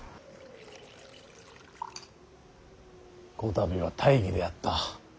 こたびは大儀であった。